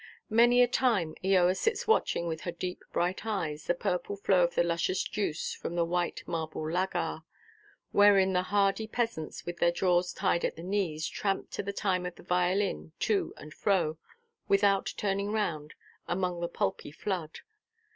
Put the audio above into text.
Many a time Eoa sits watching with her deep bright eyes the purple flow of the luscious juice from the white marble "lagar," wherein the hardy peasants, with their drawers tied at the knee, tramp to the time of the violin to and fro, without turning round, among the pulpy flood.